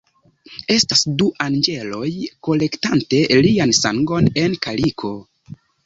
Estas du anĝeloj kolektante lian sangon en kaliko.